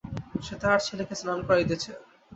সে তাহার ছেলেকে স্নান করাইতেছে।